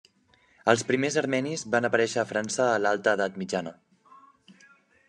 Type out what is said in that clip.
Els primers armenis van aparèixer a França a l'alta edat mitjana.